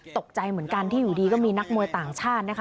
ตกใจเหมือนกันที่อยู่ดีก็มีนักมวยต่างชาตินะคะ